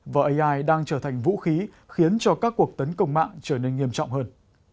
và ai đang trở thành vũ khí khiến cho các cuộc tấn công mạng trở nên nghiêm trọng hơn